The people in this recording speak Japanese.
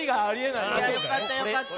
いやよかったよかった。